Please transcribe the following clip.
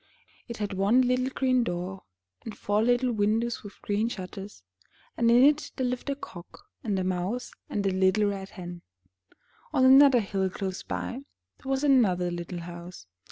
It had one little green door, and four little windows with green shutters, and in it there lived A COCK, and A MOUSE, and A LITTLE RED HEN. On another hill close by, there was another little house.